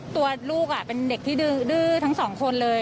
ตัวลูกเป็นเด็กที่ดื้อทั้งสองคนเลย